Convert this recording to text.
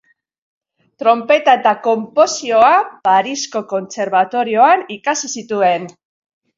Tronpeta eta konposizioa Parisko Kontserbatorioan ikasi zituen.